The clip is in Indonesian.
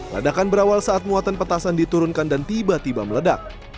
ledakan berawal saat muatan petasan diturunkan dan tiba tiba meledak